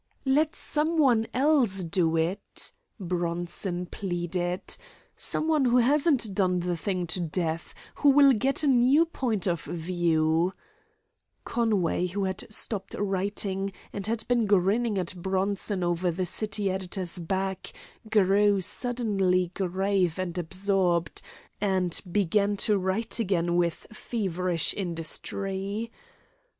"Let some one else do it," Bronson pleaded "some one who hasn't done the thing to death, who will get a new point of view " Conway, who had stopped writing, and had been grinning at Bronson over the city editor's back, grew suddenly grave and absorbed, and began to write again with feverish industry.